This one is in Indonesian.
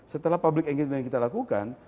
setelah public engagement yang kita lakukan